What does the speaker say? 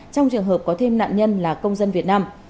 trong trường hợp có thêm nạn nhân là công dân việt nam